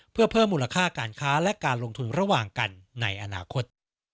เพื่อเพิ่มมูลค่าการค้าและการลงทุนระหว่างกันในอนาคต